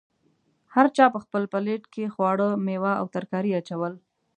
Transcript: هر چا په خپل پلیټ کې خواړه، میوه او ترکاري اچول.